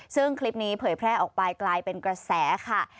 ซึ่งคลิปนี้เผยแพร่ออกไปกลายเป็นกระแสค่ะ